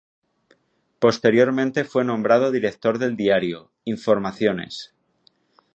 Posteriormente fue nombrado director del diario "Informaciones".